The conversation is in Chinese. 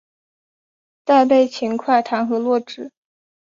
再被秦桧弹劾落职。